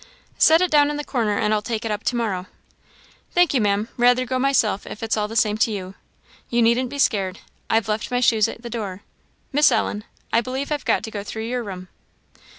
"Set it down in the corner, and I'll take it up to morrow." "Thank you, Maam; rather go myself, if it's all the same to you. You needn't be scared, I've left my shoes at the door. Miss Ellen, I believe I've got to go through your room."